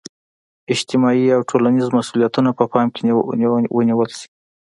اجتماعي او ټولنیز مسولیتونه په پام کې نیول شي.